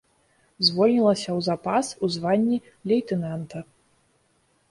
Звольнілася ў запас у званні лейтэнанта.